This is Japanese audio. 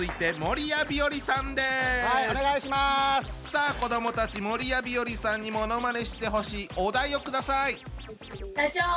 さあ子どもたち守谷日和さんにものまねしてほしいお題を下さい。